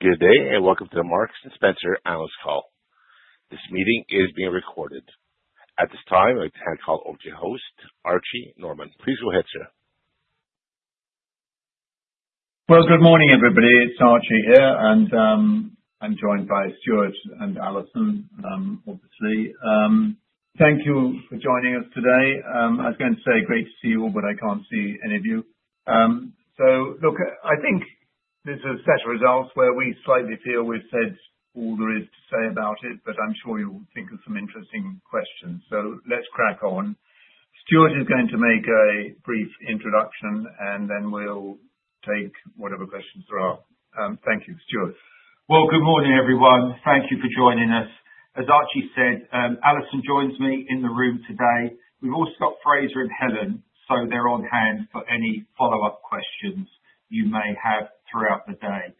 Good day, and welcome to the Marks & Spencer Analyst Call. This meeting is being recorded. At this time, I'd like to hand the call over to your host, Archie Norman. Please go ahead, sir. Well, good morning, everybody. It's Archie here, and I'm joined by Stuart and Alison, obviously. Thank you for joining us today. I was going to say great to see you all, but I can't see any of you. So, look, I think this is a set of results where we slightly feel we've said all there is to say about it, but I'm sure you'll think of some interesting questions. So let's crack on. Stuart is going to make a brief introduction, and then we'll take whatever questions there are. Thank you, Stuart. Good morning, everyone. Thank you for joining us. As Archie said, Alison joins me in the room today. We've also got Fraser and Helen, so they're on hand for any follow-up questions you may have throughout the day.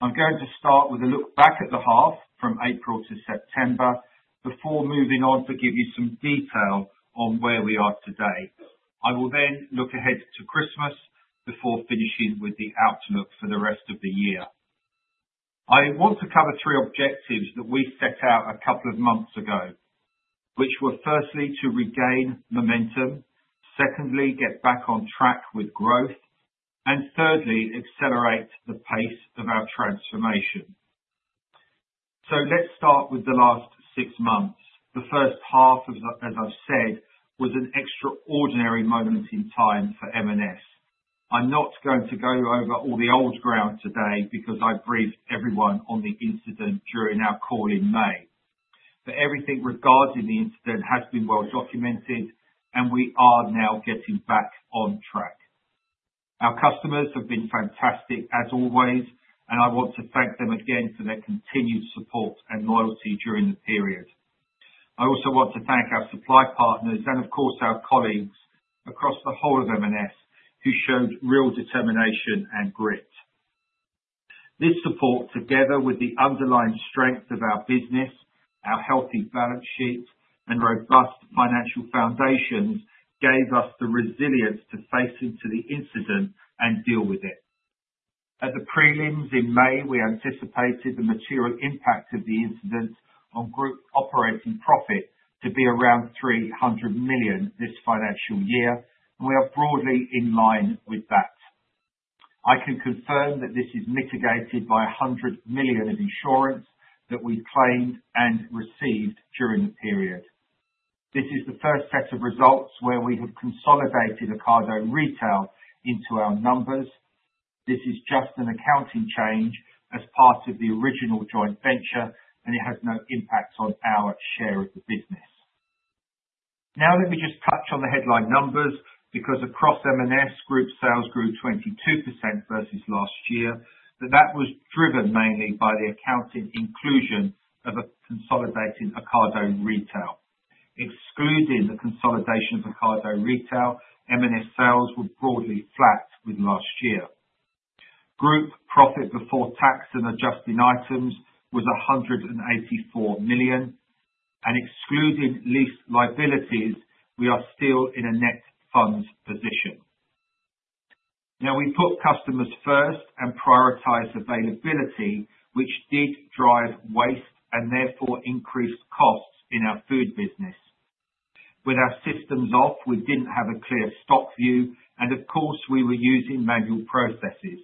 I'm going to start with a look back at the half from April to September before moving on to give you some detail on where we are today. I will then look ahead to Christmas before finishing with the outlook for the rest of the year. I want to cover three objectives that we set out a couple of months ago, which were firstly to regain momentum, secondly get back on track with growth, and thirdly accelerate the pace of our transformation. Let's start with the last six months. The first half, as I've said, was an extraordinary moment in time for M&S. I'm not going to go over all the old ground today because I briefed everyone on the incident during our call in May. But everything regarding the incident has been well documented, and we are now getting back on track. Our customers have been fantastic, as always, and I want to thank them again for their continued support and loyalty during the period. I also want to thank our supply partners and, of course, our colleagues across the whole of M&S who showed real determination and grit. This support, together with the underlying strength of our business, our healthy balance sheet, and robust financial foundations, gave us the resilience to face into the incident and deal with it. At the Prelims in May, we anticipated the material impact of the incident on group operating profit to be around 300 million this financial year, and we are broadly in line with that. I can confirm that this is mitigated by 100 million in insurance that we claimed and received during the period. This is the first set of results where we have consolidated Ocado Retail into our numbers. This is just an accounting change as part of the original joint venture, and it has no impact on our share of the business. Now, let me just touch on the headline numbers because across M&S, group sales grew 22% versus last year, but that was driven mainly by the accounting inclusion of consolidating Ocado Retail. Excluding the consolidation of Ocado Retail, M&S sales were broadly flat with last year. Group profit before tax and adjusting items was 184 million, and excluding lease liabilities, we are still in a net funds position. Now, we put customers first and prioritized availability, which did drive waste and therefore increased costs in our food business. With our systems off, we didn't have a clear stock view, and of course, we were using manual processes,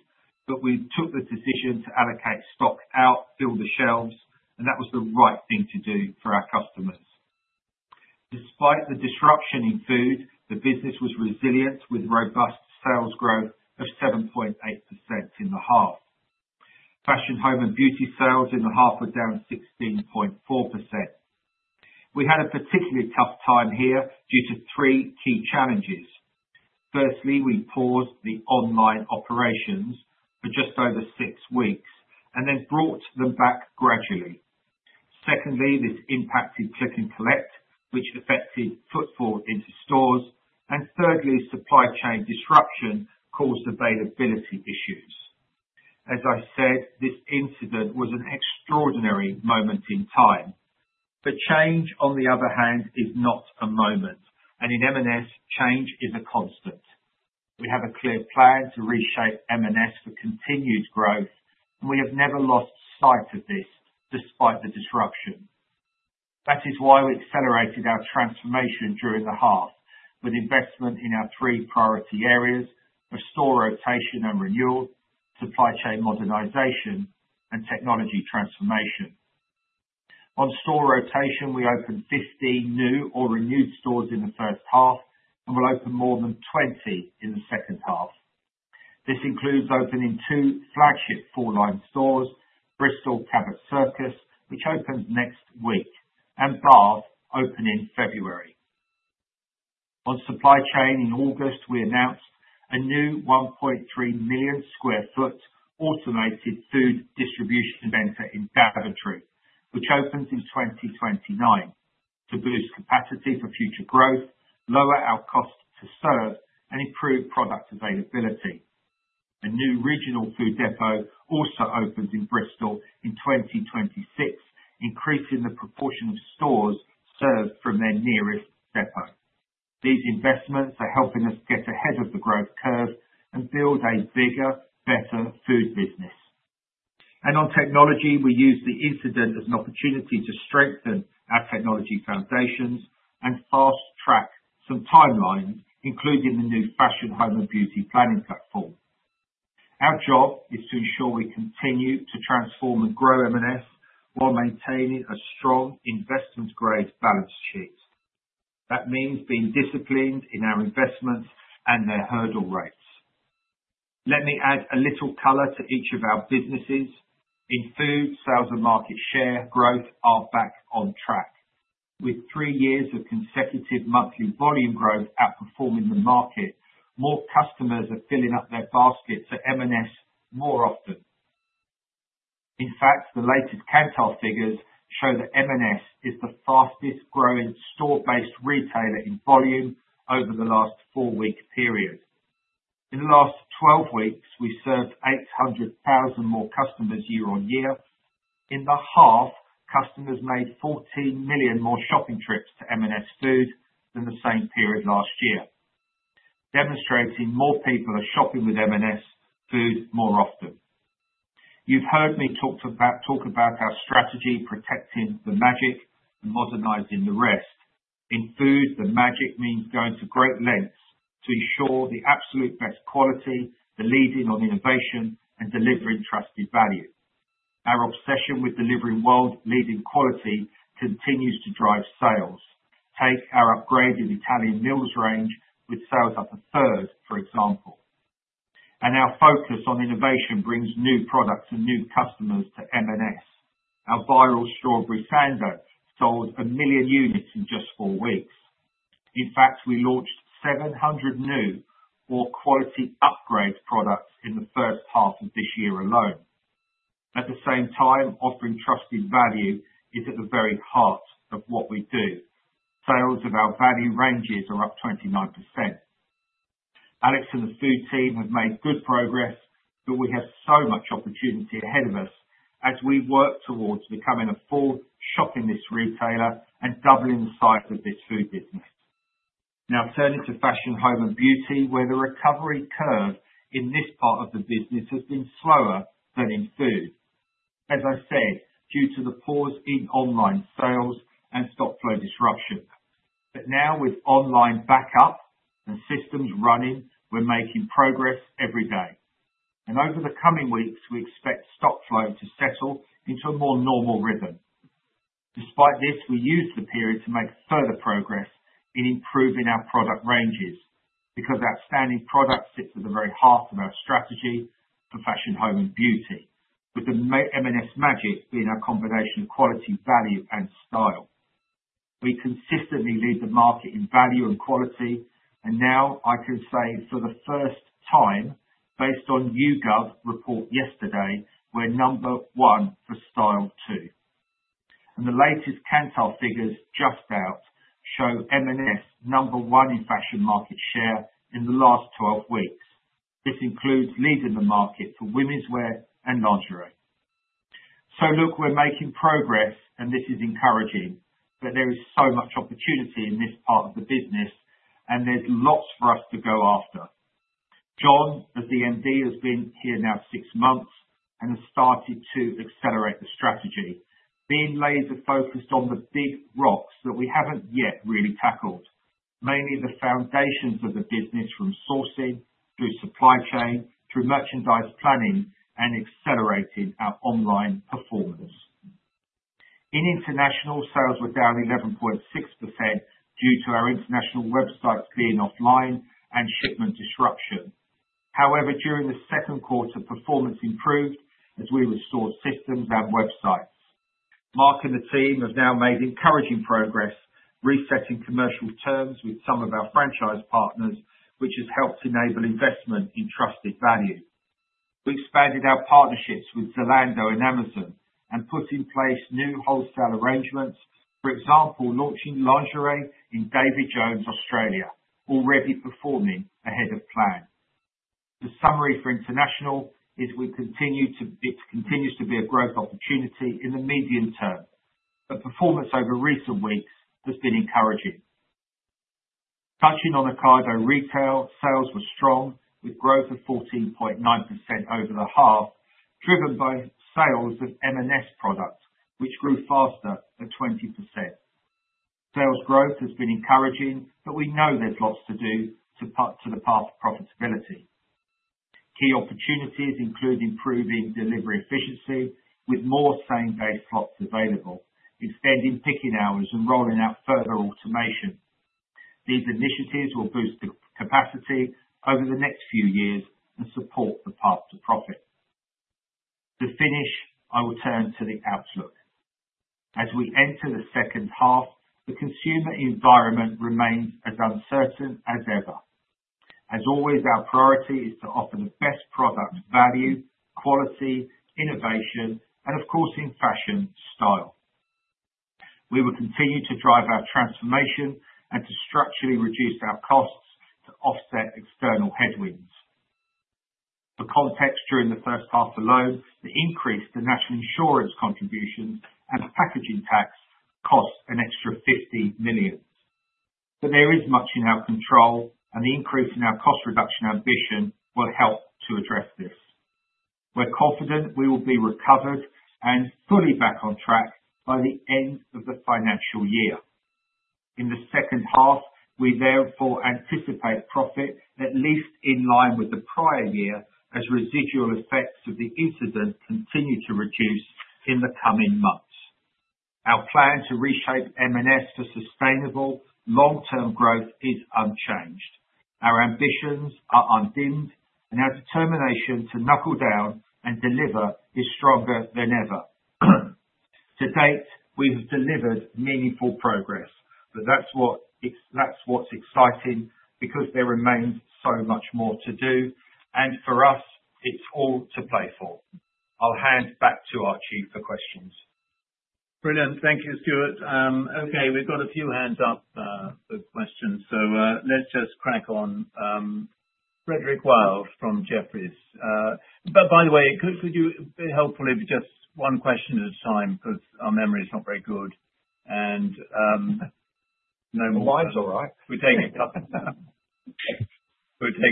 but we took the decision to allocate stock out, fill the shelves, and that was the right thing to do for our customers. Despite the disruption in food, the business was resilient with robust sales growth of 7.8% in the half. Fashion, home, and beauty sales in the half were down 16.4%. We had a particularly tough time here due to three key challenges. Firstly, we paused the online operations for just over six weeks and then brought them back gradually. Secondly, this impacted Click and Collect, which affected footfall into stores, and thirdly, supply chain disruption caused availability issues. As I said, this incident was an extraordinary moment in time. But change, on the other hand, is not a moment, and in M&S, change is a constant. We have a clear plan to reshape M&S for continued growth, and we have never lost sight of this despite the disruption. That is why we accelerated our transformation during the half with investment in our three priority areas of store rotation and renewal, supply chain modernization, and technology transformation. On store rotation, we opened 15 new or renewed stores in the first half and will open more than 20 in the second half. This includes opening two flagship four-line stores, Bristol Cabot Circus, which opens next week, and Bath opening February. On supply chain in August, we announced a new 1.3 million sq ft automated food distribution center in Daventry, which opens in 2029 to boost capacity for future growth, lower our cost to serve, and improve product availability. A new regional food depot also opens in Bristol in 2026, increasing the proportion of stores served from their nearest depot. These investments are helping us get ahead of the growth curve and build a bigger, better food business. And on technology, we use the incident as an opportunity to strengthen our technology foundations and fast-track some timelines, including the new fashion, home, and beauty planning platform. Our job is to ensure we continue to transform and grow M&S while maintaining a strong investment-grade balance sheet. That means being disciplined in our investments and their hurdle rates. Let me add a little color to each of our businesses. In food, sales and market share growth are back on track. With three years of consecutive monthly volume growth outperforming the market, more customers are filling up their baskets at M&S more often. In fact, the latest Kantar figures show that M&S is the fastest-growing store-based retailer in volume over the last four-week period. In the last 12 weeks, we served 800,000 more customers year on year. In the half, customers made 14 million more shopping trips to M&S food than the same period last year, demonstrating more people are shopping with M&S food more often. You've heard me talk about our strategy protecting the magic and modernizing the rest. In food, the magic means going to great lengths to ensure the absolute best quality, the leading on innovation, and delivering trusted value. Our obsession with delivering world-leading quality continues to drive sales. Take our upgraded Italian Mills range with sales up a third, for example, and our focus on innovation brings new products and new customers to M&S. Our viral Strawberry Sando sold a million units in just four weeks. In fact, we launched 700 new or quality upgrade products in the first half of this year alone. At the same time, offering trusted value is at the very heart of what we do. Sales of our value ranges are up 29%. Alex and the food team have made good progress, but we have so much opportunity ahead of us as we work towards becoming a full shopping list retailer and doubling the size of this food business. Now, turning to fashion, home, and beauty, where the recovery curve in this part of the business has been slower than in food, as I said, due to the pause in online sales and stock flow disruption. But now, with online backup and systems running, we're making progress every day. And over the coming weeks, we expect stock flow to settle into a more normal rhythm. Despite this, we used the period to make further progress in improving our product ranges because outstanding products sit at the very heart of our strategy for fashion, home, and beauty, with the M&S magic being a combination of quality, value, and style. We consistently lead the market in value and quality, and now I can say for the first time, based on YouGov report yesterday, we're number one for style too. And the latest Kantar figures just out show M&S number one in fashion market share in the last 12 weeks. This includes leading the market for women's wear and lingerie. So, look, we're making progress, and this is encouraging, but there is so much opportunity in this part of the business, and there's lots for us to go after. John, as the MD, has been here now six months and has started to accelerate the strategy, being laser-focused on the big rocks that we haven't yet really tackled, mainly the foundations of the business from sourcing through supply chain, through merchandise planning, and accelerating our online performance. In international, sales were down 11.6% due to our international websites being offline and shipment disruption. However, during the second quarter, performance improved as we restored systems and websites. Mark and the team have now made encouraging progress, resetting commercial terms with some of our franchise partners, which has helped enable investment in trusted value. We expanded our partnerships with Zalando and Amazon and put in place new wholesale arrangements, for example, launching lingerie in David Jones, Australia, already performing ahead of plan. The summary for international is it continues to be a growth opportunity in the medium term, but performance over recent weeks has been encouraging. Touching on Ocado Retail, sales were strong with growth of 14.9% over the half, driven by sales of M&S products, which grew faster by 20%. Sales growth has been encouraging, but we know there's lots to do to put on the path of profitability. Key opportunities include improving delivery efficiency with more same-day slots available, extending picking hours, and rolling out further automation. These initiatives will boost the capacity over the next few years and support the path to profit. To finish, I will turn to the outlook. As we enter the second half, the consumer environment remains as uncertain as ever. As always, our priority is to offer the best product value, quality, innovation, and, of course, in fashion style. We will continue to drive our transformation and to structurally reduce our costs to offset external headwinds. For context, during the first half alone, the increase to National Insurance contributions and packaging tax cost an extra 50 million. But there is much in our control, and the increase in our cost reduction ambition will help to address this. We're confident we will be recovered and fully back on track by the end of the financial year. In the second half, we therefore anticipate profit at least in line with the prior year as residual effects of the incident continue to reduce in the coming months. Our plan to reshape M&S for sustainable long-term growth is unchanged. Our ambitions are undimmed, and our determination to knuckle down and deliver is stronger than ever. To date, we have delivered meaningful progress, but that's what's exciting because there remains so much more to do, and for us, it's all to play for. I'll hand back to our chief for questions. Brilliant. Thank you, Stuart. Okay, we've got a few hands up for questions, so let's just crack on. Frederick Wild from Jefferies. But by the way, it could be helpful if just one question at a time because our memory is not very good, and no more. Mine's all right. We'll take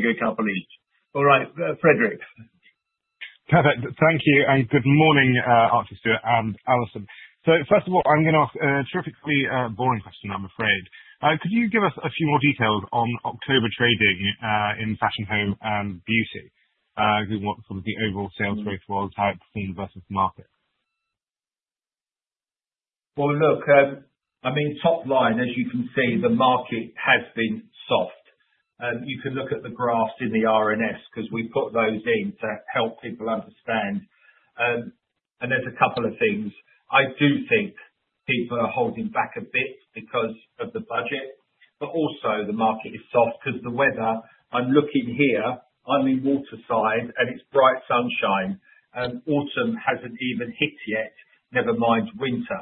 a couple each. All right, Frederick. Perfect. Thank you, and good morning, Archie, Stuart, and Alison. So first of all, I'm going to ask a terrifically boring question, I'm afraid. Could you give us a few more details on October trading in fashion, home, and beauty? Sort of the overall sales growth was, how it performed versus the market. Well, look, I mean, top line, as you can see, the market has been soft. You can look at the graphs in the M&S because we put those in to help people understand, and there's a couple of things. I do think people are holding back a bit because of the budget, but also the market is soft because the weather. I'm looking here, I'm in Waterside, and it's bright sunshine, and autumn hasn't even hit yet, never mind winter.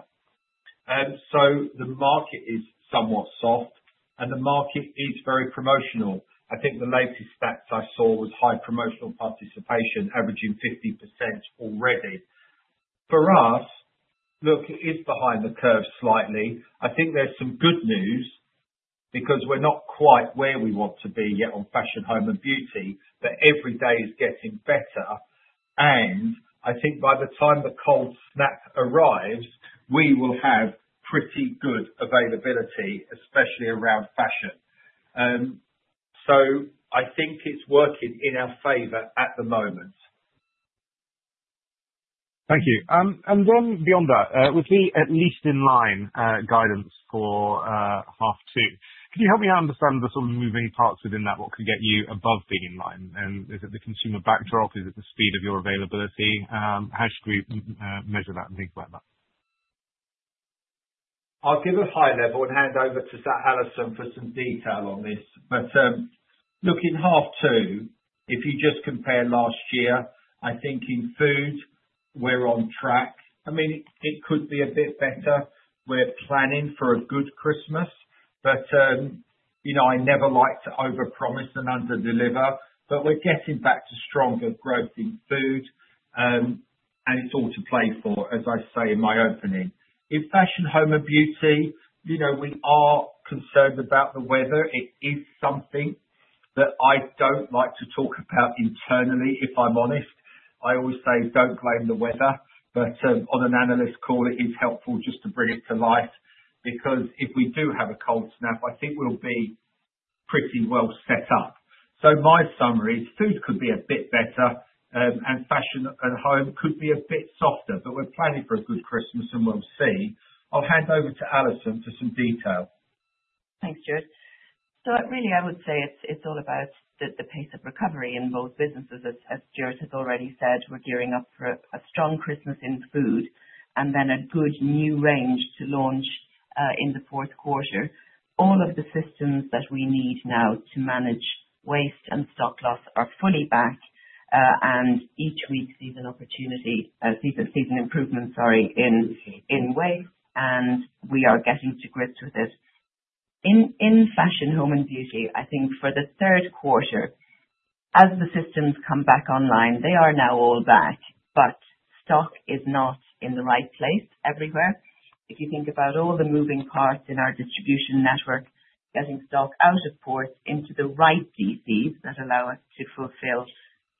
So the market is somewhat soft, and the market is very promotional. I think the latest stats I saw was high promotional participation, averaging 50% already. For us, look, it is behind the curve slightly. I think there's some good news because we're not quite where we want to be yet on fashion, home, and beauty, but every day is getting better, and I think by the time the cold snap arrives, we will have pretty good availability, especially around fashion. So I think it's working in our favor at the moment. Thank you. And beyond that, with the at-least-in-line guidance for half two, could you help me understand the sort of moving parts within that? What could get you above being in line? And is it the consumer backdrop? Is it the speed of your availability? How should we measure that and think about that? I'll give a high level and hand over to Alison for some detail on this. But look, in half two, if you just compare last year, I think in food, we're on track. I mean, it could be a bit better. We're planning for a good Christmas, but I never like to overpromise and underdeliver, but we're getting back to stronger growth in food, and it's all to play for, as I say in my opening. In fashion, home, and beauty, we are concerned about the weather. It is something that I don't like to talk about internally, if I'm honest. I always say, "Don't blame the weather," but on an analyst call, it is helpful just to bring it to life because if we do have a cold snap, I think we'll be pretty well set up. So my summary is food could be a bit better, and fashion and home could be a bit softer, but we're planning for a good Christmas, and we'll see. I'll hand over to Alison for some detail. Thanks, Stuart. So really, I would say it's all about the pace of recovery in both businesses. As Stuart has already said, we're gearing up for a strong Christmas in food and then a good new range to launch in the fourth quarter. All of the systems that we need now to manage waste and stock loss are fully back, and each week sees an opportunity, sees an improvement, sorry, in waste, and we are getting to grips with it. In fashion, home, and beauty, I think for the third quarter, as the systems come back online, they are now all back, but stock is not in the right place everywhere. If you think about all the moving parts in our distribution network, getting stock out of port into the right DCs that allow us to fulfill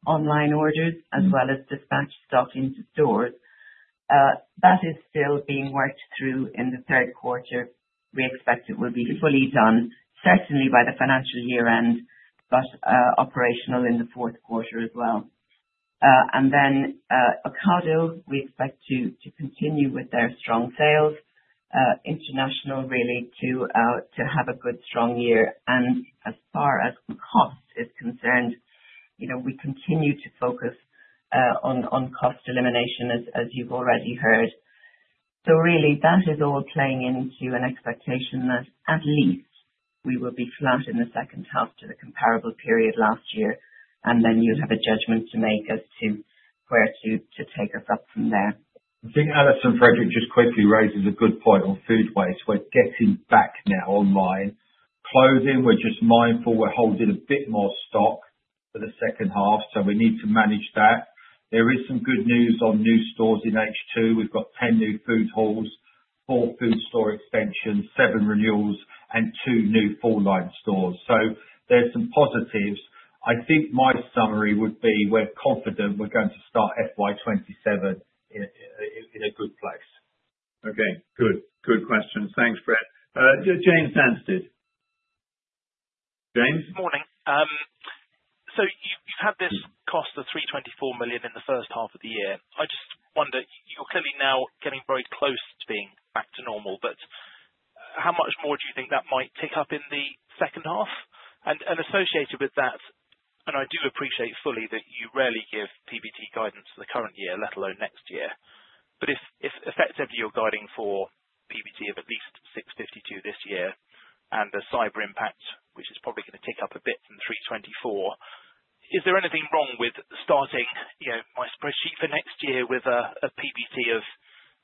online orders as well as dispatch stock into stores, that is still being worked through in the third quarter. We expect it will be fully done, certainly by the financial year end, but operational in the fourth quarter as well. And then Ocado, we expect to continue with their strong sales. International, really, to have a good strong year. And as far as cost is concerned, we continue to focus on cost elimination, as you've already heard. So really, that is all playing into an expectation that at least we will be flat in the second half to the comparable period last year, and then you'll have a judgment to make as to where to take us up from there. I think Alison and Frederick just quickly raised a good point on food waste. We're getting back now online. Clothing, we're just mindful we're holding a bit more stock for the second half, so we need to manage that. There is some good news on new stores in H2. We've got 10 new food halls, four food store extensions, seven renewals, and two new full-line stores. So there's some positives. I think my summary would be we're confident we're going to start FY27 in a good place. Okay. Good. Good question. Thanks, Brett ames Anstead. James? Good morning. So you've had this cost of 324 million in the first half of the year. I just wonder, you're clearly now getting very close to being back to normal, but how much more do you think that might tick up in the second half? And associated with that, and I do appreciate fully that you rarely give PBT guidance for the current year, let alone next year, but if effectively you're guiding for PBT of at least 652 million this year and the cyber impact, which is probably going to tick up a bit from 324, is there anything wrong with starting my spreadsheet for next year with a PBT of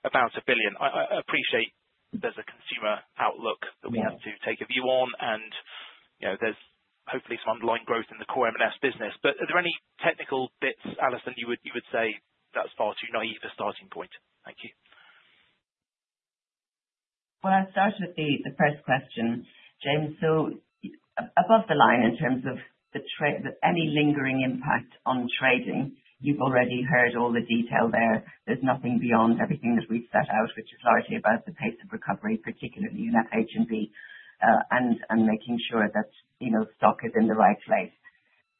about 1 billion? I appreciate there's a consumer outlook that we have to take a view on, and there's hopefully some underlying growth in the core M&S business, but are there any technical bits, Alison, you would say that's far too naive a starting point? Thank you. I'll start with the first question, James. Above the line in terms of any lingering impact on trading, you've already heard all the detail there. There's nothing beyond everything that we've set out, which is largely about the pace of recovery, particularly in FH&B, and making sure that stock is in the right place.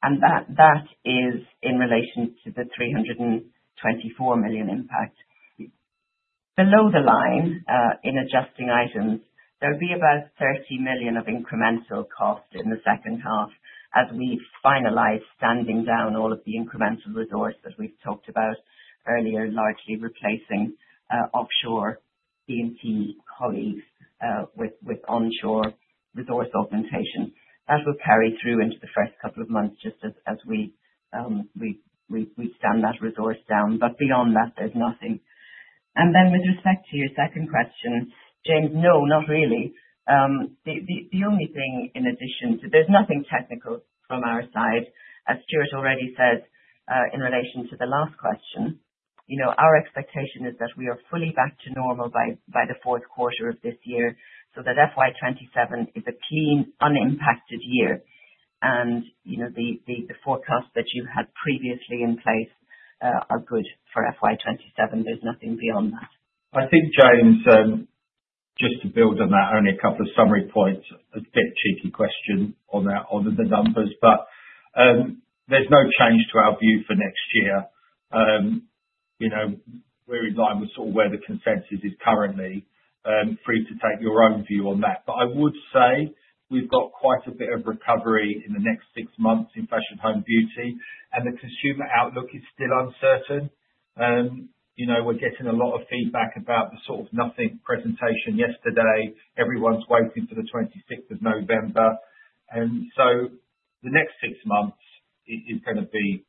That is in relation to the 324 million impact. Below the line, in adjusting items, there'll be about 30 million of incremental cost in the second half as we finalize standing down all of the incremental resources that we've talked about earlier, largely replacing offshore EMP colleagues with onshore resource augmentation. That will carry through into the first couple of months just as we stand that resource down, but beyond that, there's nothing. Then with respect to your second question, James, no, not really. The only thing, in addition, there's nothing technical from our side. As Stuart already said in relation to the last question, our expectation is that we are fully back to normal by the fourth quarter of this year so that FY27 is a clean, unimpacted year, and the forecasts that you had previously in place are good for FY27. There's nothing beyond that. I think, James, just to build on that. Only a couple of summary points. A bit cheeky question on the numbers, but there's no change to our view for next year. We're in line with sort of where the consensus is currently. Free to take your own view on that, but I would say we've got quite a bit of recovery in the next six months in fashion, home, and beauty, and the consumer outlook is still uncertain. We're getting a lot of feedback about the sort of nothing presentation yesterday. Everyone's waiting for the 26th of November, and so the next six months is going to be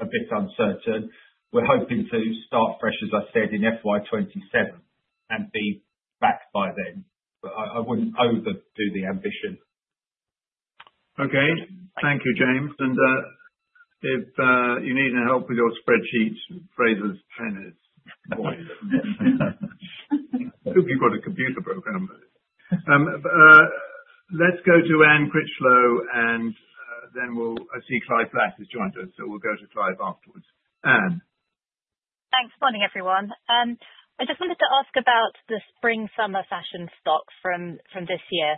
a bit uncertain. We're hoping to start fresh, as I said, in FY27 and be back by then, but I wouldn't overdo the ambition. Okay. Thank you, James. And if you need any help with your spreadsheets, Fraser's pen is void. I hope you've got a computer program. Let's go to Anne Critchlow, and then I see Clive Black has joined us, so we'll go to Clive afterwards. Anne. Thanks for joining, everyone. I just wanted to ask about the spring-summer fashion stock from this year.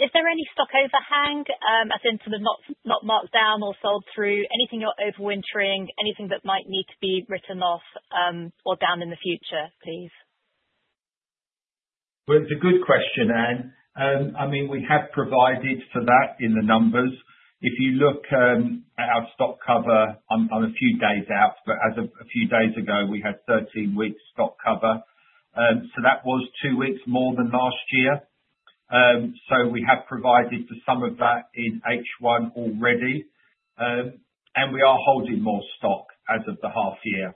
Is there any stock overhang, as in sort of not marked down or sold through? Anything you're overwintering? Anything that might need to be written off or down in the future, please? It's a good question, Anne. I mean, we have provided for that in the numbers. If you look at our stock cover, I'm a few days out, but as of a few days ago, we had 13 weeks' stock cover. So that was two weeks more than last year. So we have provided for some of that in H1 already, and we are holding more stock as of the half year.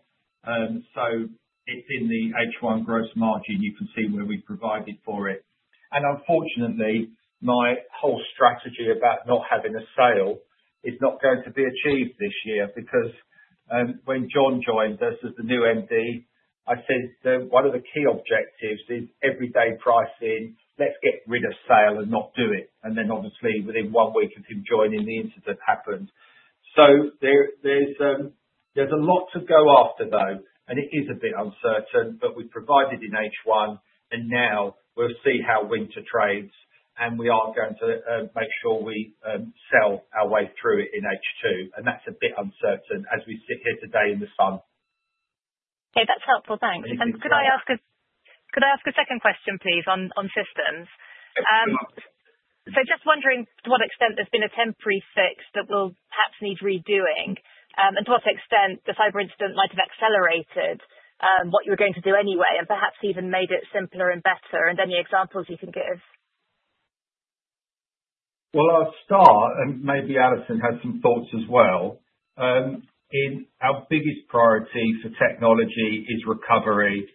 So it's in the H1 gross margin. You can see where we've provided for it. And unfortunately, my whole strategy about not having a sale is not going to be achieved this year because when John joined us as the new MD, I said one of the key objectives is everyday pricing. Let's get rid of sale and not do it. And then obviously, within one week of him joining, the incident happened. So there's a lot to go after, though, and it is a bit uncertain, but we've provided in H1, and now we'll see how winter trades, and we are going to make sure we sell our way through it in H2. And that's a bit uncertain as we sit here today in the sun. Okay. That's helpful. Thanks. And could I ask a second question, please, on systems? So just wondering to what extent there's been a temporary fix that will perhaps need redoing, and to what extent the cyber incident might have accelerated what you were going to do anyway, and perhaps even made it simpler and better, and any examples you can give? I'll start, and maybe Alison has some thoughts as well. Our biggest priority for technology is recovery,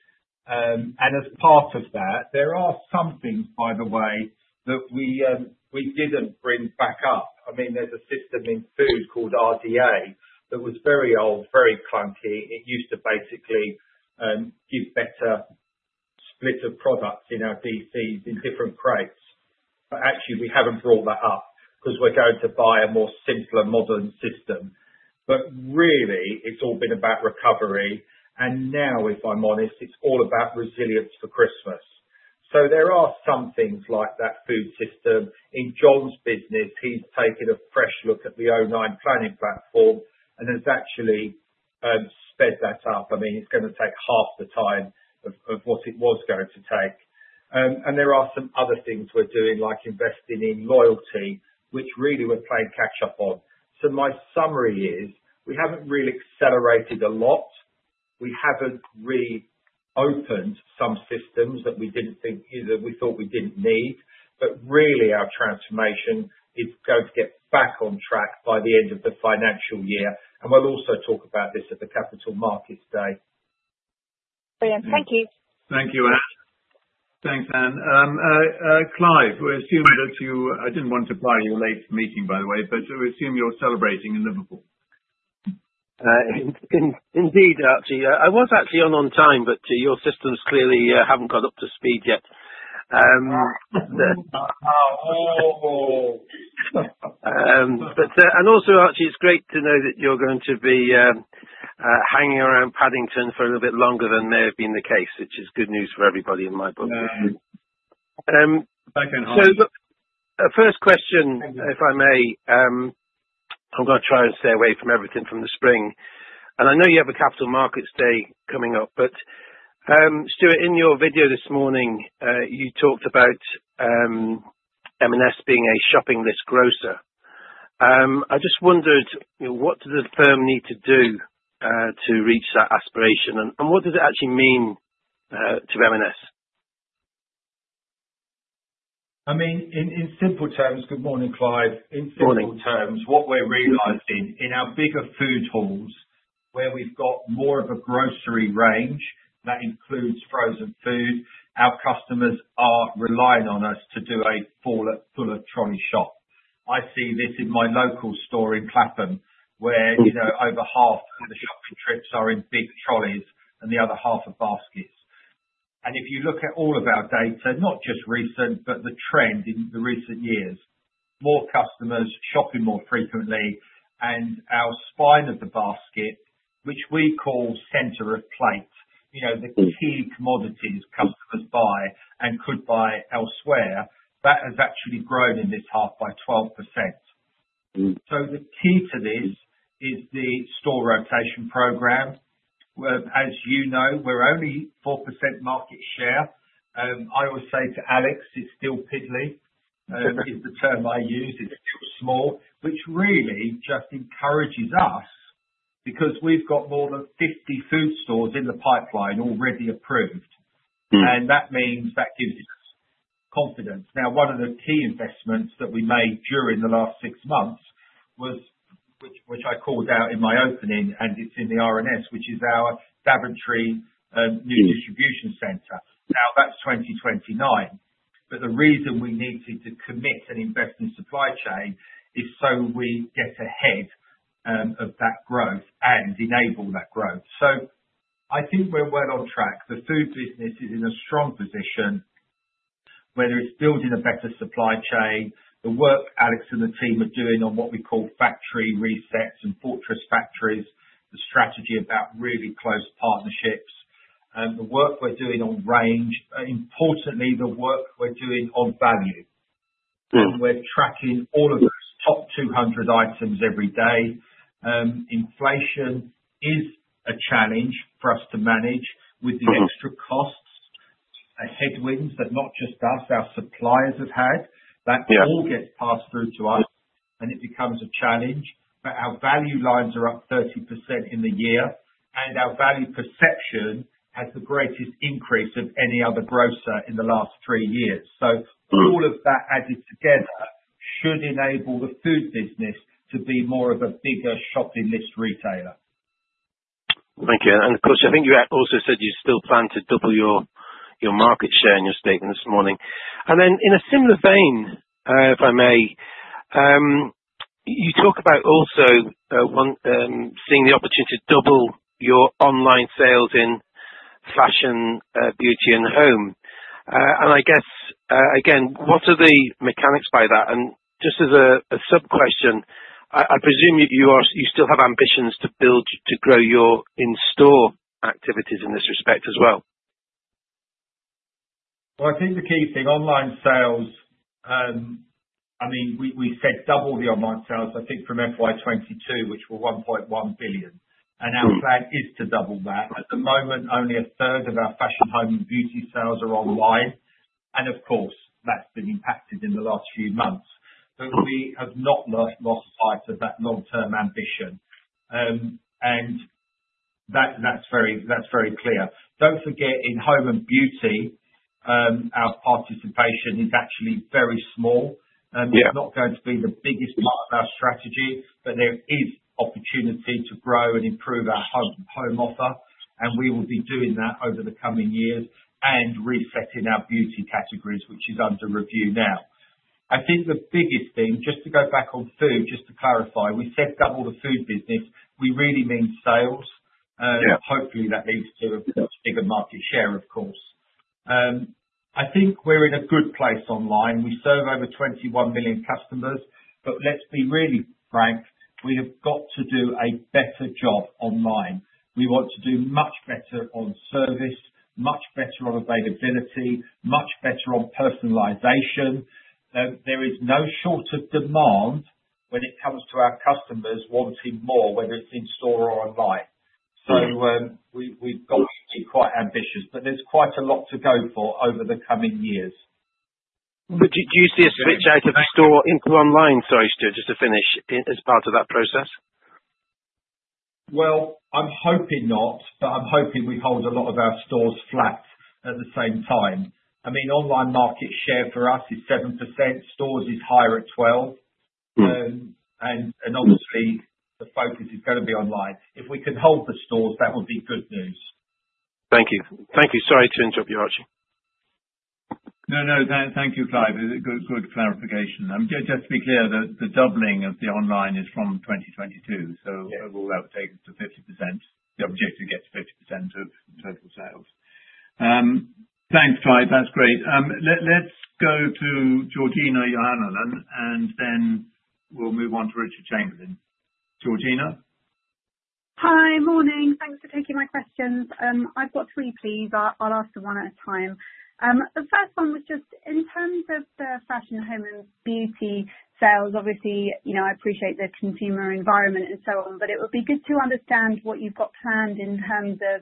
and as part of that, there are some things, by the way, that we didn't bring back up. I mean, there's a system in food called RDA that was very old, very clunky. It used to basically give better splitter products in our DCs in different crates. Actually, we haven't brought that up because we're going to buy a more simpler, modern system, but really, it's all been about recovery, and now, if I'm honest, it's all about resilience for Christmas, so there are some things like that food system. In John's business, he's taken a fresh look at the O9 planning platform and has actually sped that up. I mean, it's going to take half the time of what it was going to take. And there are some other things we're doing, like investing in loyalty, which really we're playing catch-up on. So my summary is we haven't really accelerated a lot. We haven't reopened some systems that we didn't think either we thought we didn't need, but really, our transformation is going to get back on track by the end of the financial year. And we'll also talk about this at the Capital Markets Day. Brilliant. Thank you. Thank you, Anne.Thanks, Anne. Clive, I didn't want to keep you for a late meeting, by the way, but we assume you're celebrating in Liverpool. Indeed, Archie. I was actually on time, but your systems clearly haven't caught up to speed yet. And also, Archie, it's great to know that you're going to be hanging around Paddington for a little bit longer than may have been the case, which is good news for everybody in my book. Back in half. A first question, if I may. I'm going to try and stay away from everything from the spring, and I know you have a Capital Markets Day coming up, but Stuart, in your video this morning, you talked about M&S being a shopping list grocer. I just wondered, what does the firm need to do to reach that aspiration, and what does it actually mean to M&S? I mean, in simple terms, good morning, Clive, what we're realising in our bigger food halls, where we've got more of a grocery range that includes frozen food, our customers are relying on us to do a full-trolley shop. I see this in my local store in Clapham, where over half of the shopping trips are in big trolleys and the other half are baskets. And if you look at all of our data, not just recent, but the trend in the recent years, more customers shopping more frequently, and our spine of the basket, which we call centre of plate, the key commodities customers buy and could buy elsewhere, that has actually grown in this half by 12%. So the key to this is the store rotation program. As you know, we're only 4% market share. I always say to Alex, "It's still piddly," is the term I use. It's still small, which really just encourages us because we've got more than 50 food stores in the pipeline already approved, and that means that gives us confidence. Now, one of the key investments that we made during the last six months, which I called out in my opening, and it's in the RNS, which is our Daventry new distribution center. Now, that's 2029, but the reason we need to commit and invest in supply chain is so we get ahead of that growth and enable that growth. So I think we're well on track. The food business is in a strong position, whether it's building a better supply chain, the work Alex and the team are doing on what we call factory resets and fortress factories, the strategy about really close partnerships, the work we're doing on range, importantly, the work we're doing on value. We're tracking all of those top 200 items every day. Inflation is a challenge for us to manage with the extra costs, headwinds that not just us, our suppliers have had. That all gets passed through to us, and it becomes a challenge. But our value lines are up 30% in the year, and our value perception has the greatest increase of any other grocer in the last three years. So all of that added together should enable the food business to be more of a bigger shopping list retailer. Thank you. And of course, I think you also said you still plan to double your market share in your statement this morning. And then in a similar vein, if I may, you talk about also seeing the opportunity to double your online sales in fashion, beauty, and home. And I guess, again, what are the mechanics by that? And just as a sub-question, I presume you still have ambitions to grow your in-store activities in this respect as well. I think the key thing online sales. I mean, we said double the online sales, I mean, from FY22, which were 1.1 billion GBP. Our plan is to double that. At the moment, only a third of our fashion, home, and beauty sales are online. And of course, that's been impacted in the last few months. But we have not lost sight of that long-term ambition, and that's very clear. Don't forget, in home and beauty, our participation is actually very small. It's not going to be the biggest part of our strategy, but there is opportunity to grow and improve our home offer, and we will be doing that over the coming years and resetting our beauty categories, which is under review now. I think the biggest thing, just to go back on food, just to clarify, we said double the food business. We really mean sales. Hopefully, that leads to a much bigger market share, of course. I think we're in a good place online. We serve over 21 million customers, but let's be really frank, we have got to do a better job online. We want to do much better on service, much better on availability, much better on personalization. There is no shortage of demand when it comes to our customers wanting more, whether it's in-store or online. So we've got to be quite ambitious, but there's quite a lot to go for over the coming years. Do you see a switch out of store into online? Sorry, Stuart, just to finish, as part of that process? I'm hoping not, but I'm hoping we hold a lot of our stores flat at the same time. I mean, online market share for us is 7%. Stores is higher at 12%. And obviously, the focus is going to be online. If we can hold the stores, that would be good news. Thank you. Thank you. Sorry to interrupt you, Archie. No, no. Thank you, Clive. Good clarification. Just to be clear, the doubling of the online is from 2022, so that will take us to 50%. The objective gets 50% of total sales. Thanks, Clive. That's great. Let's go to Georgina Johannan, and then we'll move on to Richard Chamberlain. Georgina? Hi. Morning. Thanks for taking my questions. I've got three, please. I'll ask them one at a time. The first one was just in terms of the fashion, home, and beauty sales, obviously, I appreciate the consumer environment and so on, but it would be good to understand what you've got planned in terms of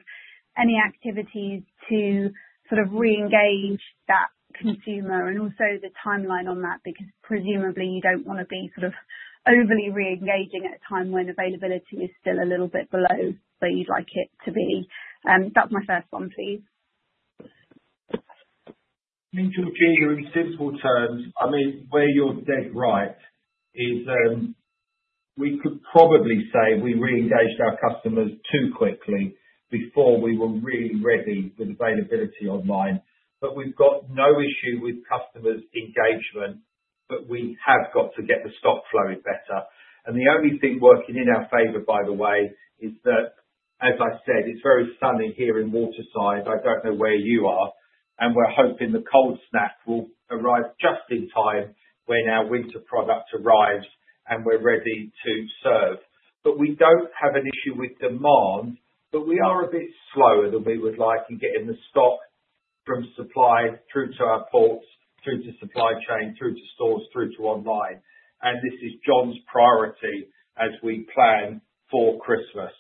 any activities to sort of re-engage that consumer and also the timeline on that because presumably, you don't want to be sort of overly re-engaging at a time when availability is still a little bit below where you'd like it to be. That's my first one, please. Thank you, Georgina. In simple terms, I mean, where you're dead right is we could probably say we re-engaged our customers too quickly before we were really ready with availability online. But we've got no issue with customers' engagement, but we have got to get the stock flowing better. And the only thing working in our favor, by the way, is that, as I said, it's very sunny here in Waterside. I don't know where you are, and we're hoping the cold snap will arrive just in time when our winter product arrives and we're ready to serve. But we don't have an issue with demand, but we are a bit slower than we would like in getting the stock from supply through to our ports, through to supply chain, through to stores, through to online. And this is John's priority as we plan for Christmas.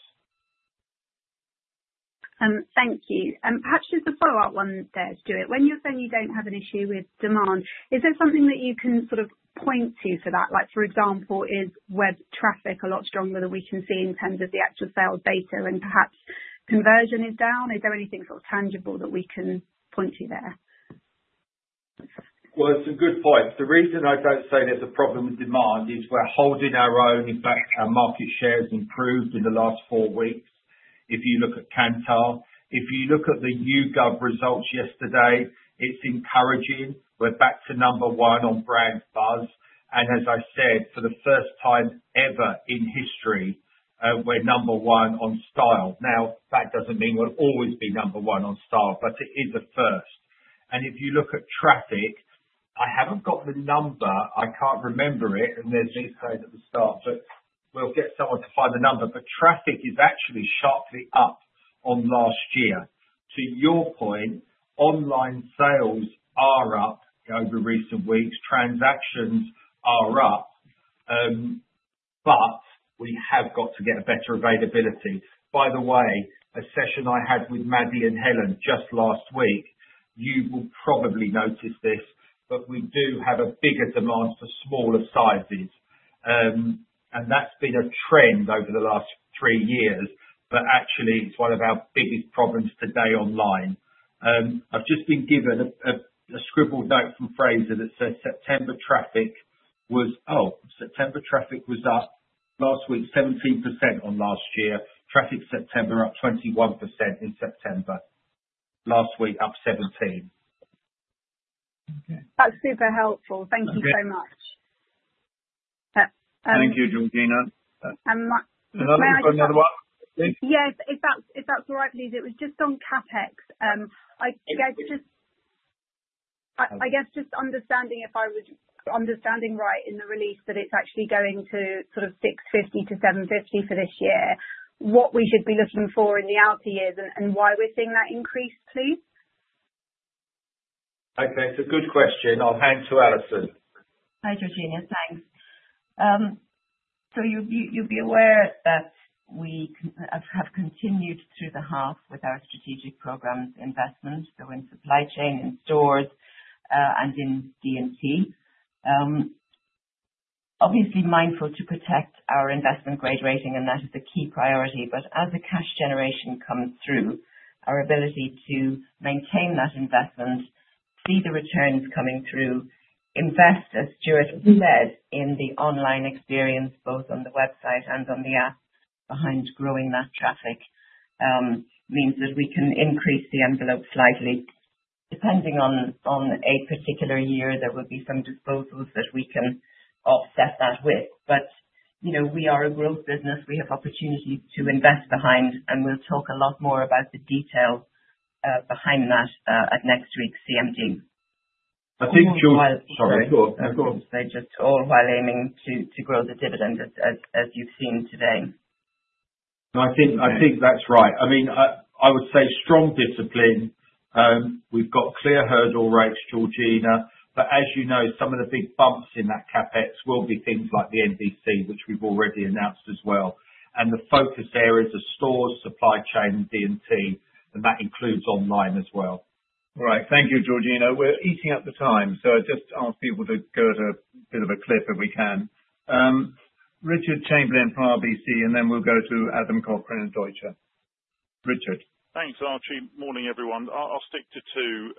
Thank you. And perhaps just a follow-up one there, Stuart. When you're saying you don't have an issue with demand, is there something that you can sort of point to for that? For example, is web traffic a lot stronger than we can see in terms of the actual sales data and perhaps conversion is down? Is there anything sort of tangible that we can point to there? It's a good point. The reason I don't say there's a problem with demand is we're holding our own. In fact, our market share has improved in the last four weeks. If you look at Kantar, if you look at the YouGov results yesterday, it's encouraging. We're back to number one on brand buzz. And as I said, for the first time ever in history, we're number one on style. Now, that doesn't mean we'll always be number one on style, but it is a first. And if you look at traffic, I haven't got the number. I can't remember it, and there's inside of the stock, but we'll get someone to find the number. But traffic is actually sharply up on last year. To your point, online sales are up over recent weeks. Transactions are up, but we have got to get a better availability. By the way, a session I had with Maddie and Helen just last week, you will probably notice this, but we do have a bigger demand for smaller sizes, and that's been a trend over the last three years, but actually, it's one of our biggest problems today online. I've just been given a scribbled note from Fraser that says September traffic was—oh, September traffic was up last week 17% on last year. Traffic September up 21% in September. Last week up 17%. That's super helpful. Thank you so much. Thank you, Georgina. And my. May I ask you another one? Yes. If that's all right, please. It was just on CapEx. I guess just understanding if I was understanding right in the release that it's actually going to sort of 650 to 750 for this year, what we should be looking for in the outer years and why we're seeing that increase, please? Okay. It's a good question. I'll hand to Alison. Hi, Georgina. Thanks. So you'll be aware that we have continued through the half with our strategic program investment, so in supply chain and stores and in D&T. Obviously, mindful to protect our Investment Grade rating, and that is a key priority. But as the cash generation comes through, our ability to maintain that investment, see the returns coming through, invest as Stuart said, in the online experience, both on the website and on the app, behind growing that traffic means that we can increase the envelope slightly. Depending on a particular year, there will be some disposals that we can offset that with. But we are a growth business. We have opportunities to invest behind, and we'll talk a lot more about the details behind that at next week's CMG. I think. All while aiming. Sorry. Of course. Of course. They're just all while aiming to grow the dividend, as you've seen today. I think that's right. I mean, I would say strong discipline. We've got clear hurdle rates, Georgina. But as you know, some of the big bumps in that CapEx will be things like the NVC, which we've already announced as well. And the focus areas are stores, supply chain, and D&T, and that includes online as well. All right. Thank you, Georgina. We're eating up the time, so I just ask people to go to a bit of a clip if we can. Richard Chamberlain from RBC, and then we'll go to Adam Cochran and Deutsche. Richard. Thanks, Archie. Morning, everyone. I'll stick to two.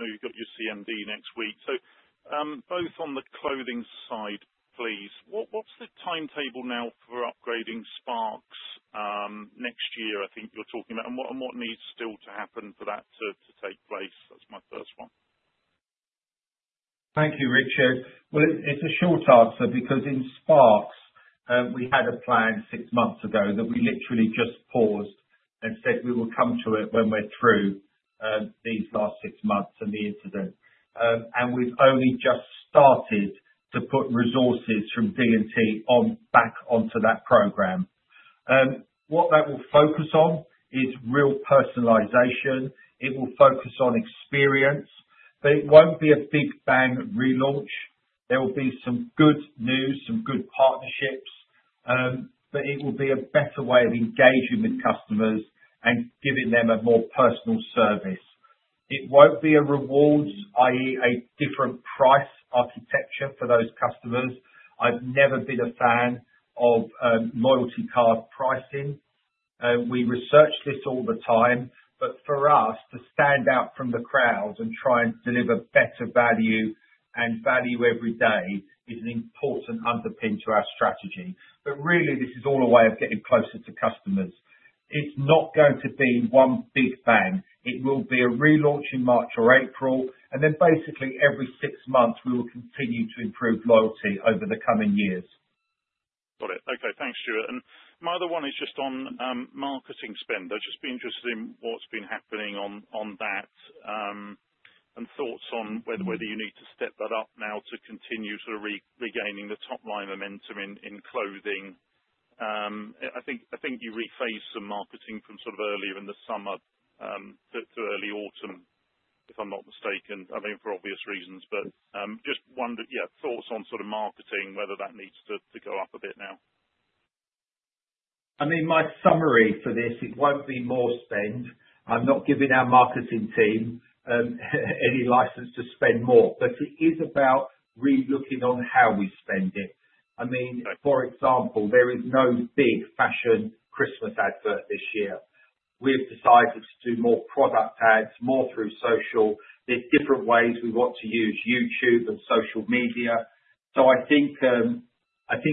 You've got your CMD next week. So both on the clothing side, please, what's the timetable now for upgrading Sparks next year? I think you're talking about, and what needs still to happen for that to take place? That's my first one. Thank you, Richard. It's a short answer because in Sparks, we had a plan six months ago that we literally just paused and said we will come to it when we're through these last six months and the incident. We've only just started to put resources from D&T back onto that program. What that will focus on is real personalization. It will focus on experience, but it won't be a big bang relaunch. There will be some good news, some good partnerships, but it will be a better way of engaging with customers and giving them a more personal service. It won't be a rewards, i.e., a different price architecture for those customers. I've never been a fan of loyalty card pricing. We research this all the time, but for us to stand out from the crowd and try and deliver better value and value every day is an important underpin to our strategy. But really, this is all a way of getting closer to customers. It's not going to be one big bang. It will be a relaunch in March or April, and then basically every six months, we will continue to improve loyalty over the coming years. Got it. Okay. Thanks, Stuart. And my other one is just on marketing spend. I've just been interested in what's been happening on that and thoughts on whether you need to step that up now to continue sort of regaining the top-line momentum in clothing. I think you refaced some marketing from sort of earlier in the summer to early autumn, if I'm not mistaken, I mean, for obvious reasons. But just thoughts on sort of marketing, whether that needs to go up a bit now. I mean, my summary for this, it won't be more spend. I'm not giving our marketing team any license to spend more, but it is about relooking on how we spend it. I mean, for example, there is no big fashion Christmas advert this year. We have decided to do more product ads, more through social. There's different ways we want to use YouTube and social media. So I think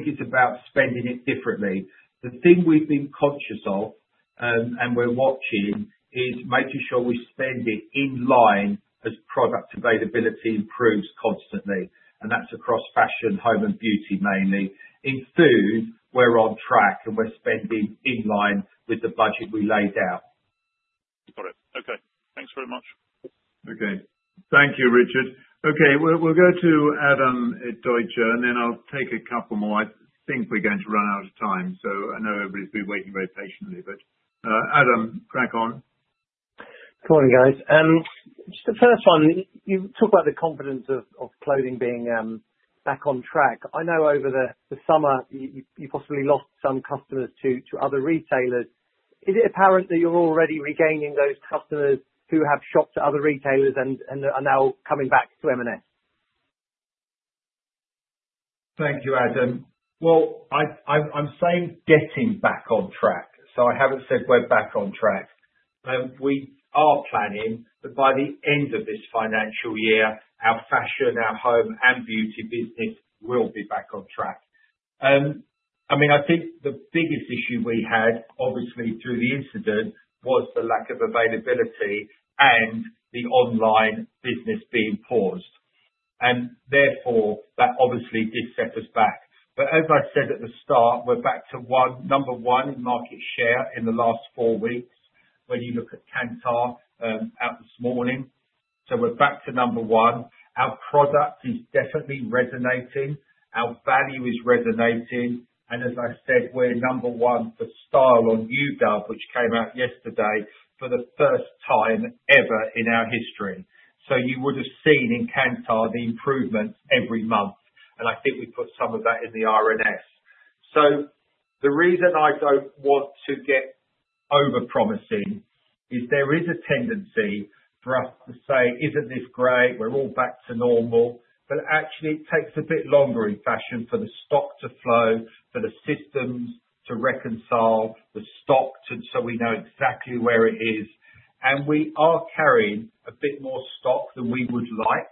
it's about spending it differently. The thing we've been conscious of and we're watching is making sure we spend it in line as product availability improves constantly. And that's across fashion, home and beauty mainly. In food, we're on track, and we're spending in line with the budget we laid out. Got it. Okay. Thanks very much. Okay. Thank you, Richard. Okay. We'll go to Adam at Deutsche, and then I'll take a couple more. I think we're going to run out of time, so I know everybody's been waiting very patiently, but Adam, crack on. Morning, guys. Just the first one, you talk about the confidence of clothing being back on track. I know over the summer, you possibly lost some customers to other retailers. Is it apparent that you're already regaining those customers who have shopped at other retailers and are now coming back to M&S? Thank you, Adam. Well, I'm saying getting back on track. So I haven't said we're back on track. We are planning, but by the end of this financial year, our fashion, our home, and beauty business will be back on track. I mean, I think the biggest issue we had, obviously, through the incident was the lack of availability and the online business being paused. And therefore, that obviously did set us back. But as I said at the start, we're back to number one in market share in the last four weeks when you look at Kantar out this morning. So we're back to number one. Our product is definitely resonating. Our value is resonating. And as I said, we're number one for style on YouGov, which came out yesterday for the first time ever in our history. You would have seen in Kantar the improvements every month, and I think we put some of that in the M&S. The reason I don't want to get over-promising is there is a tendency for us to say, "Isn't this great? We're all back to normal." But actually, it takes a bit longer in fashion for the stock to flow, for the systems to reconcile, the stock so we know exactly where it is. And we are carrying a bit more stock than we would like.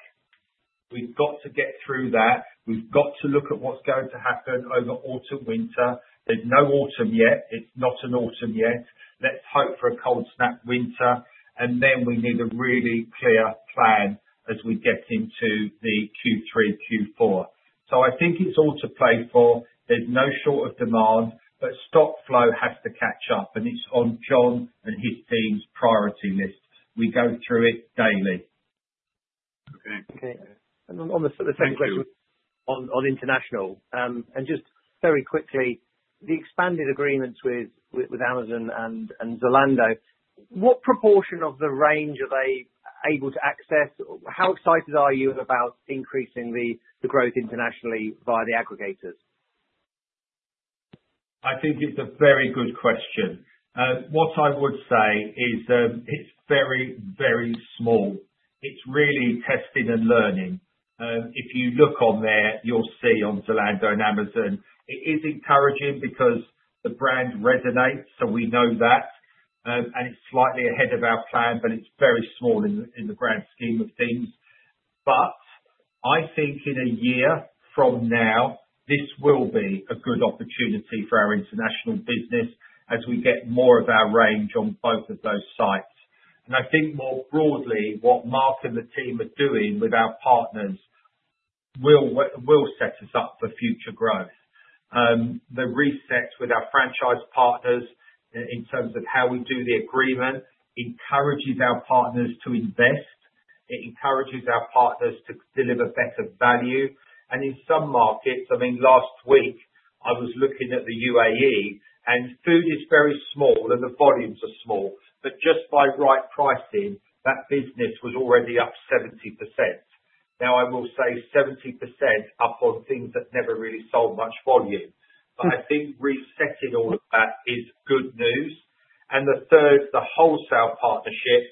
We've got to get through that. We've got to look at what's going to happen over autumn/winter. There's no autumn yet. It's not an autumn yet. Let's hope for a cold snap winter, and then we need a really clear plan as we get into the Q3, Q4. So I think it's all to play for. There's no shortage of demand, but stock flow has to catch up, and it's on John and his team's priority list. We go through it daily. Okay. Okay. And on the same question on international, and just very quickly, the expanded agreements with Amazon and Zalando, what proportion of the range are they able to access? How excited are you about increasing the growth internationally via the aggregators? I think it's a very good question. What I would say is it's very, very small. It's really testing and learning. If you look on there, you'll see on Zalando and Amazon, it is encouraging because the brand resonates, so we know that, and it's slightly ahead of our plan, but it's very small in the grand scheme of things, but I think in a year from now, this will be a good opportunity for our international business as we get more of our range on both of those sites, and I think more broadly, what Mark and the team are doing with our partners will set us up for future growth. The reset with our franchise partners in terms of how we do the agreement encourages our partners to invest. It encourages our partners to deliver better value. And in some markets, I mean, last week, I was looking at the UAE, and food is very small, and the volumes are small. But just by right pricing, that business was already up 70%. Now, I will say 70% up on things that never really sold much volume. But I think resetting all of that is good news. And the third, the wholesale partnership,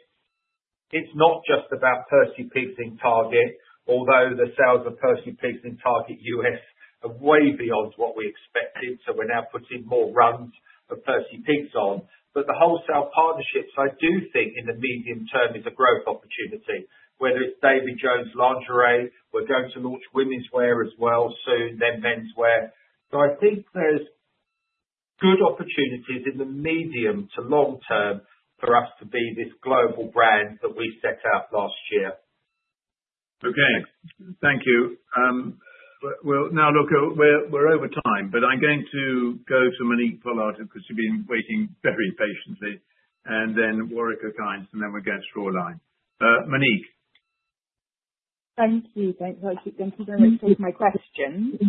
it's not just about Percy Pigs in Target, although the sales of Percy Pigs in Target US are way beyond what we expected, so we're now putting more runs of Percy Pigs on. But the wholesale partnerships, I do think in the medium term is a growth opportunity, whether it's David Jones Lingerie. We're going to launch women's wear as well soon, then menswear. So I think there's good opportunities in the medium to long term for us to be this global brand that we set out last year. Okay. Thank you. Well, now, look, we're over time, but I'm going to go to Monique Polas from Deutsche because she's been waiting very patiently, and then Warwick Okines, and then we're going to draw a line. Monique. Thank you. Thank you very much for my question.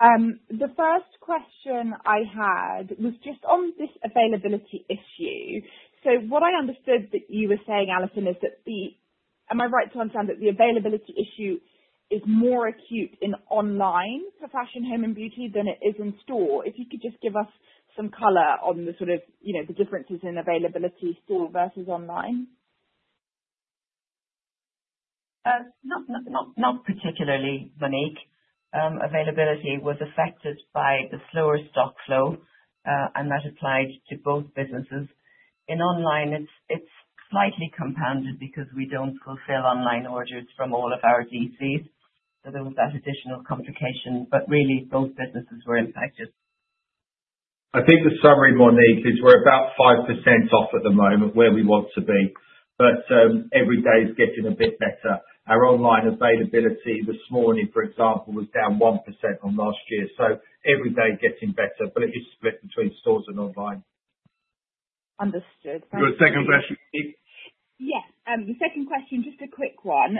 The first question I had was just on this availability issue. So what I understood that you were saying, Alison, is that the, am I right to understand that the availability issue is more acute in online for fashion, home, and beauty than it is in store? If you could just give us some color on the sort of differences in availability, store versus online. Not particularly, Monique. Availability was affected by the slower stock flow, and that applied to both businesses. In online, it's slightly compounded because we don't fulfill online orders from all of our DCs, so there was that additional complication. But really, both businesses were impacted. I think the summary, Monique, is we're about 5% off at the moment where we want to be, but every day is getting a bit better. Our online availability this morning, for example, was down 1% from last year, so every day getting better, but it is split between stores and online. Understood. Thank you. You got a second question, Monique? Yes. Second question, just a quick one.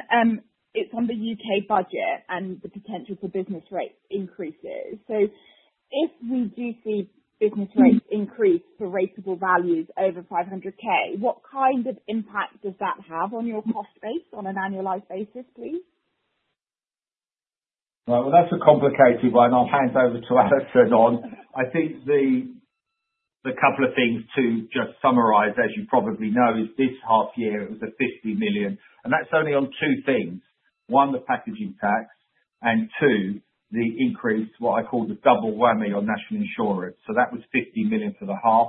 It's on the U.K. budget and the potential for business rates increases. So if we do see business rates increase for reasonable values over 500k, what kind of impact does that have on your cost base on an annualized basis, please? That's a complicated one. I'll hand over to Alison on. I think the couple of things to just summarise, as you probably know, is this half year it was 50 million. And that's only on two things. One, the packaging tax, and two, the increase, what I call the double whammy on National Insurance. So that was 50 million for the half.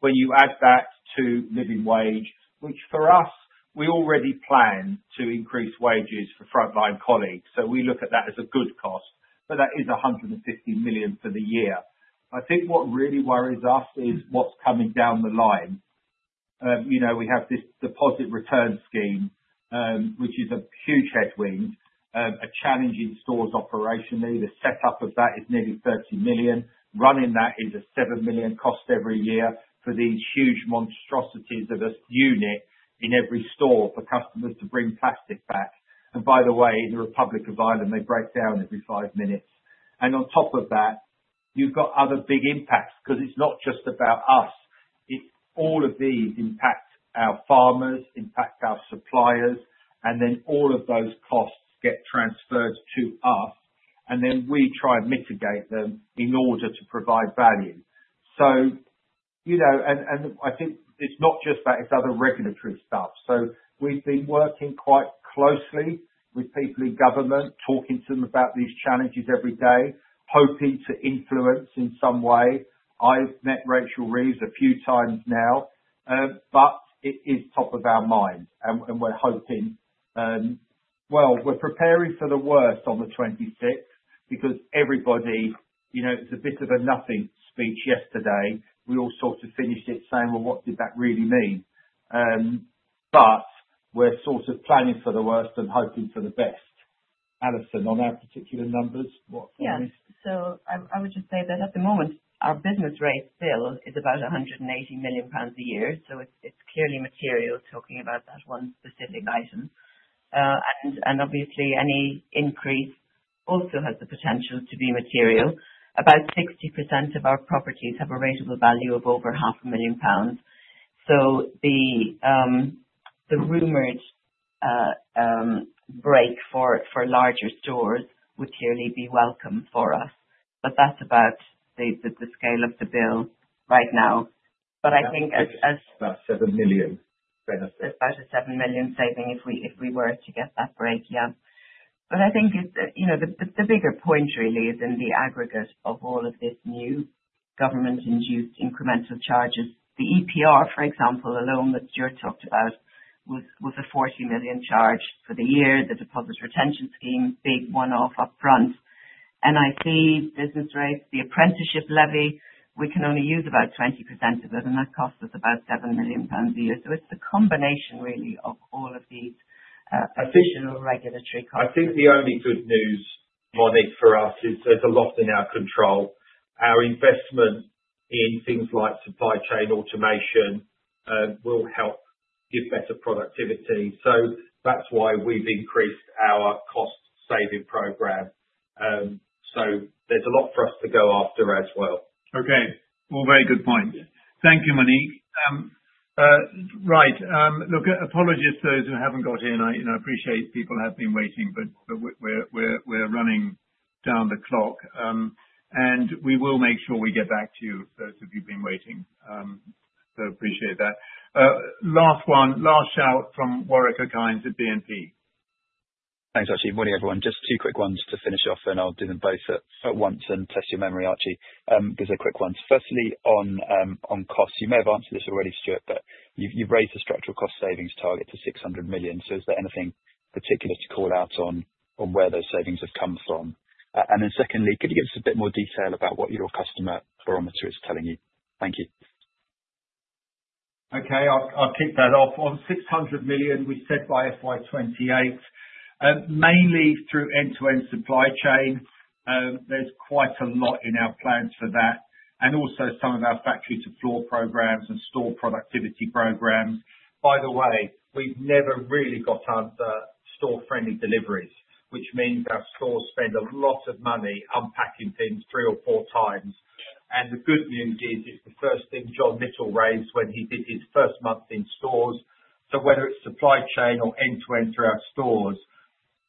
When you add that to living wage, which for us, we already plan to increase wages for frontline colleagues, so we look at that as a good cost, but that is 150 million for the year. I think what really worries us is what's coming down the line. We have this deposit return scheme, which is a huge headwind, a challenge in stores operationally. The setup of that is nearly 30 million. Running that is a 7 million cost every year for these huge monstrosities of a unit in every store for customers to bring plastic back, and by the way, in the Republic of Ireland, they break down every five minutes, and on top of that, you've got other big impacts because it's not just about us. All of these impact our farmers, impact our suppliers, and then all of those costs get transferred to us, and then we try and mitigate them in order to provide value, and I think it's not just that, it's other regulatory stuff, so we've been working quite closely with people in government, talking to them about these challenges every day, hoping to influence in some way. I've met Rachel Reeves a few times now, but it is top of our mind, and we're hoping, well, we're preparing for the worst on the 26th because everybody, it was a bit of a nothing speech yesterday. We all sort of finished it saying, "Well, what did that really mean?" But we're sort of planning for the worst and hoping for the best. Alison, on our particular numbers, what can you say? Yeah, so I would just say that at the moment, our business rate still is about 180 million pounds a year, so it's clearly material talking about that one specific item, and obviously, any increase also has the potential to be material. About 60% of our properties have a rateable value of over 500,000 pounds. So the rumored break for larger stores would clearly be welcome for us, but that's about the scale of the bill right now, but I think as - It's about 7 million benefit. It's about a 7 million saving if we were to get that break, yeah. But I think the bigger point really is in the aggregate of all of this new government-induced incremental charges. The EPR, for example, alone that you talked about was a 40 million charge for the year, the Deposit Return Scheme, big one-off upfront. NIC, business rates, the apprenticeship levy, we can only use about 20% of it, and that costs us about 7 million pounds a year. So it's the combination really of all of these additional regulatory costs. I think the only good news, Monique, for us is there's a lot in our control. Our investment in things like supply chain automation will help give better productivity. So that's why we've increased our cost-saving program. So there's a lot for us to go after as well. Okay. Well, very good point. Thank you, Monique. Right. Look, apologies to those who haven't got in. I appreciate people have been waiting, but we're running down the clock. And we will make sure we get back to you, those of you who've been waiting. So appreciate that. Last one, last shout from Warwick Okines at BNP. Thanks, Archie. Morning, everyone. Just two quick ones to finish off, and I'll do them both at once and test your memory, Archie. There's a quick one. Firstly, on costs, you may have answered this already, Stuart, but you've raised the structural cost savings target to 600 million. So is there anything particular to call out on where those savings have come from? And then secondly, could you give us a bit more detail about what your customer barometer is telling you? Thank you. Okay. I'll kick that off. On 600 million, we set by FY28, mainly through end-to-end supply chain. There's quite a lot in our plans for that, and also some of our factory-to-floor programs and store productivity programs. By the way, we've never really got to store-friendly deliveries, which means our stores spend a lot of money unpacking things three or four times. And the good news is it's the first thing John Mitchell raised when he did his first month in stores. So whether it's supply chain or end-to-end through our stores,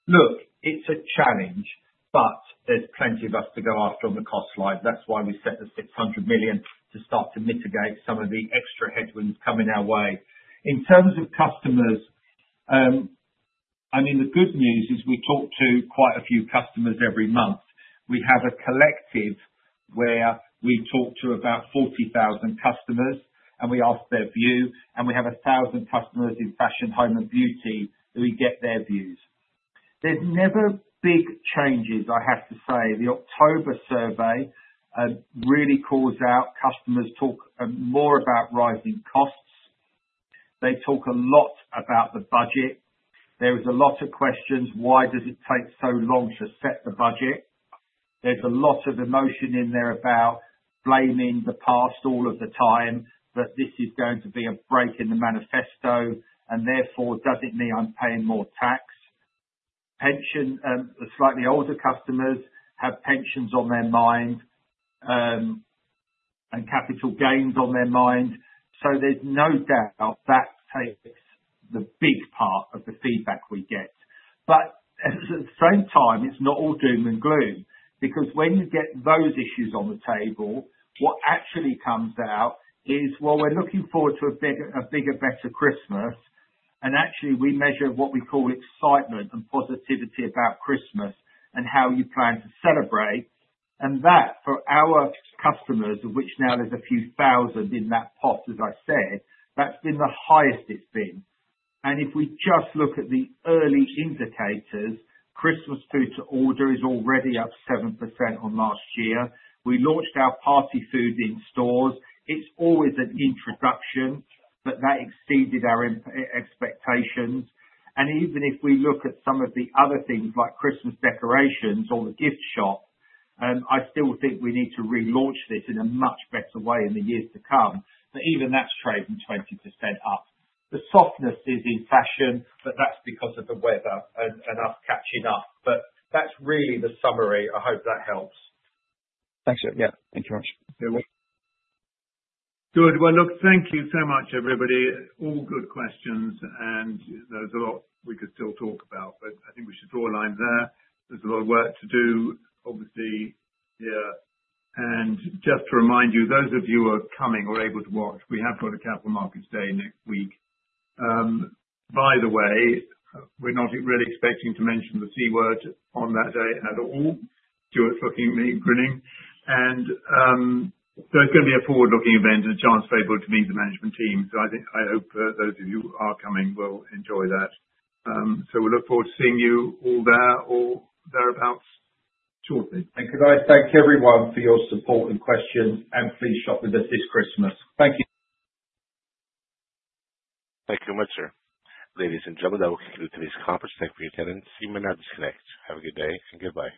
look, it's a challenge, but there's plenty of us to go after on the cost line. That's why we set the 600 million to start to mitigate some of the extra headwinds coming our way. In terms of customers, I mean, the good news is we talk to quite a few customers every month. We have a collective where we talk to about 40,000 customers, and we ask their view, and we have 1,000 customers in fashion, home, and beauty who get their views. There's never big changes, I have to say. The October survey really calls out customers talk more about rising costs. They talk a lot about the budget. There is a lot of questions: why does it take so long to set the budget? There's a lot of emotion in there about blaming the past all of the time that this is going to be a break in the manifesto, and therefore, does it mean I'm paying more tax? Pension and slightly older customers have pensions on their mind and capital gains on their mind. So there's no doubt that takes the big part of the feedback we get. But at the same time, it's not all doom and gloom because when you get those issues on the table, what actually comes out is, "Well, we're looking forward to a bigger, better Christmas." And actually, we measure what we call excitement and positivity about Christmas and how you plan to celebrate. And that, for our customers, of which now there's a few thousand in that pot, as I said, that's been the highest it's been. And if we just look at the early indicators, Christmas Food to Order is already up 7% on last year. We launched our party food in stores. It's always an introduction, but that exceeded our expectations. And even if we look at some of the other things like Christmas decorations or the gift shop, I still think we need to relaunch this in a much better way in the years to come. But even that's trading 20% up. The softness is in fashion, but that's because of the weather and us catching up. But that's really the summary. I hope that helps. Thanks, Stuart. Yeah. Thank you very much. You're welcome. Good. Well, look, thank you so much, everybody. All good questions. And there's a lot we could still talk about, but I think we should draw a line there. There's a lot of work to do, obviously, and just to remind you, those of you who are coming or able to watch, we have got a Capital Markets Day next week. By the way, we're not really expecting to mention the C word on that day at all. Stuart's looking at me and grinning, and so it's going to be a forward-looking event and a chance for able to meet the management team. So I hope those of you who are coming will enjoy that, so we look forward to seeing you all there or there abouts shortly. Thank you, guys. Thank you, everyone, for your support and questions. And please shop with us this Christmas. Thank you. Thank you very much, sir. Ladies and gentlemen, that will conclude today's conference. Thank you for your attendance. You may now disconnect. Have a good day and goodbye.